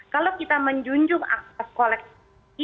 kalau kita menjunjung akas kolektif